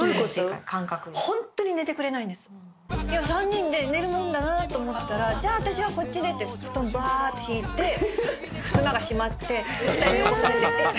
３人で寝るもんだなと思ってたら「じゃあ私はこっちで」って布団ばーって引いてふすまが閉まって２人残されて。